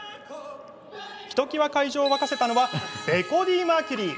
ひときわ会場を沸かせたのはベコディ・マーキュリー！